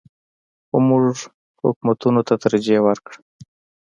خو موږ حکومتونو ته ترجیح ورکړه.